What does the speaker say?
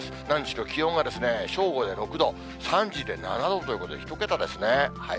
何しろ気温が正午で６度、３時で７度ということで、１桁ですね。